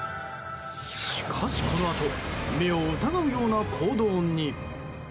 しかし、このあと目を疑うような行動に。